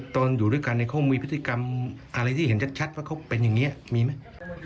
ตอนอยู่ด้วยกันเขามีพฤติกรรมอะไรที่เห็นชัดว่าเขาเป็นอย่างนี้มีไหม